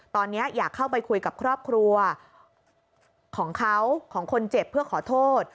ตอนนี้อยากเข้าไปคุยกับครอบครัวของเขาของคนเจ็บเพื่อขอโทษ